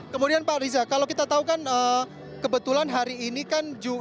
kemudian pak riza kalau kita tahu kan kebetulan hari ini kan